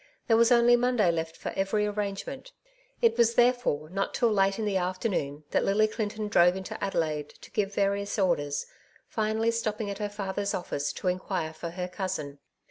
There was only Monday left for every arrangement ; it was therefore not till late in the afternoon that Lily Clinton drove into Adelaide to give various orders, finally stopping at her father's office to inquire for her cousin.